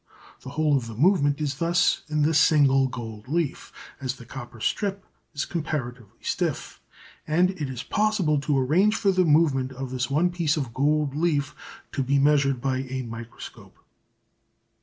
The whole of the movement is thus in the single gold leaf, as the copper strip is comparatively stiff, and it is possible to arrange for the movement of this one piece of gold leaf to be measured by a microscope.